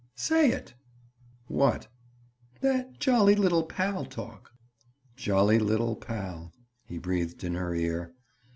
Say it." "What?" "That jolly little pal talk." "Jolly little pal!" he breathed in her ear.